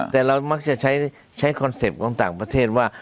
แต่เรามักจะใช้คอนเซ็ปต์ของต่างประเทศว่า